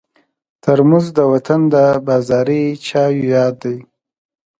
ترموز د وطن د بازاري چایو یاد دی.